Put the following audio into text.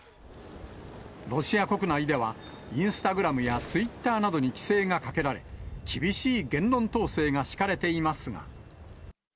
ロシア国内では、インスタグラムやツイッターなどに規制がかけられ、厳しい言論統制が敷かれていますが。